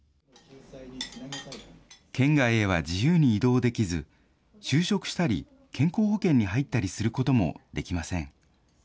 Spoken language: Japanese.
県外へは自由に移動できず、就職したり健康保険に入ったりすることもできません。